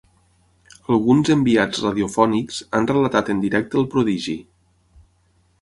Alguns enviats radiofònics han relatat en directe el prodigi.